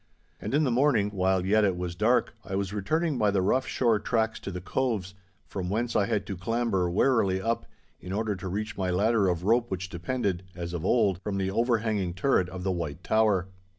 And in the morning, while yet it was dark, I was returning by the rough shore tracks to the coves, from whence I had to clamber warily up, in order to reach my ladder of rope which depended, as of old, from the overhanging turret of the White Tower.